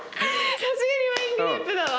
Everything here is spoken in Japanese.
さすがにワイングレープだわ。